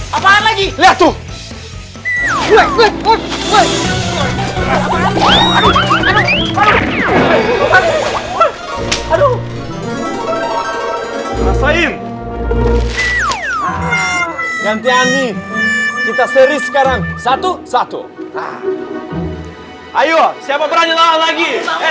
hai apaan lagi lihat tuh ngerti ngerti sekarang sebelas ayo siapa lagi